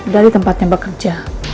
dari tempatnya bekerja